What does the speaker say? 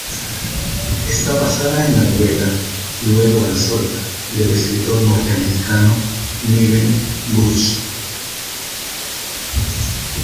Está basada en la novela "Duelo al sol" del escritor norteamericano Niven Busch.